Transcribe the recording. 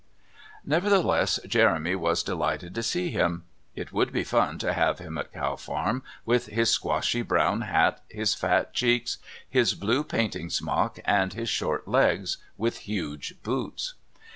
Nevertheless Jeremy was delighted to see him. It would be fun to have him at Cow Farm with his squashy brown hat, his fat cheeks, his blue painting smock, and his short legs with huge boots.